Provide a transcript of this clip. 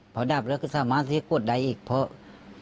พอดับแล้วก็สามารถที่จะกดได้อีกเพราะ